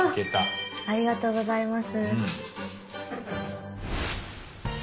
ありがとうございます。